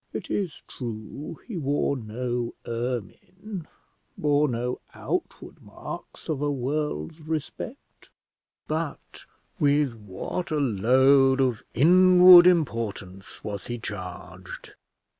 It is true he wore no ermine, bore no outward marks of a world's respect; but with what a load of inward importance was he charged!